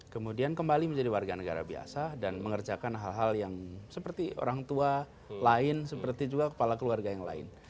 kemudian kembali menjadi warga negara biasa dan mengerjakan hal hal yang seperti orang tua lain seperti juga kepala keluarga yang lain